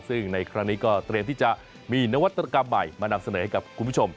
ซึ่งในครั้งนี้ก็เตรียมที่จะมีนวัตกรรมใหม่มานำเสนอให้กับคุณผู้ชม